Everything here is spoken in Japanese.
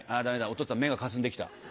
おとっつぁん目がかすんできた」。